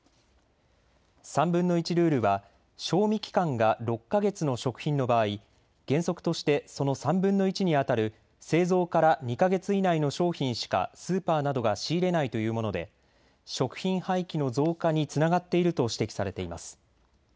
３分の１ルールは賞味期間が６か月の食品の場合、原則としてその３分の１にあたる製造から２か月以内の商品しかスーパーなどが仕入れないというもので食品廃棄の増加につながっていると指摘されています。